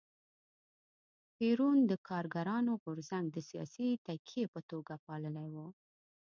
پېرون د کارګرانو غورځنګ د سیاسي تکیې په توګه پاللی و.